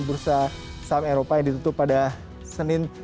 bursa saham eropa yang ditutup pada senin